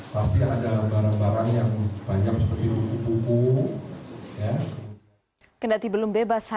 pasti ada barang barang yang banyak seperti buku buku